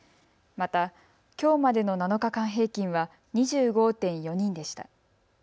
またきょうまでの７日間平均は２５．４人でした。